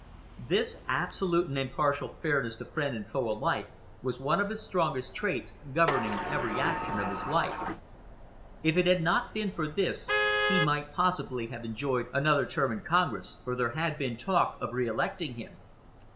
This absolute and impartial fairness to friend and foe alike was one of his strongest traits, governing every action of his life. If it had not been for this, he might possibly have enjoyed another term in Congress, for there had been talk of reelecting him.